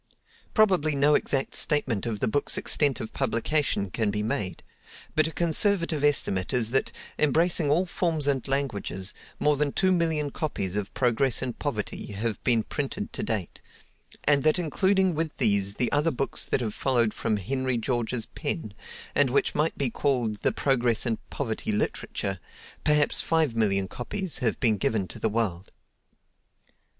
Probably no exact statement of the book's extent of publication can be made; but a conservative estimate is that, embracing all forms and languages, more than two million copies of "Progress and Poverty" have been printed to date; and that including with these the other books that have followed from Henry George's pen, and which might be called "The Progress and Poverty Literature," perhaps five million copies have been given to the world.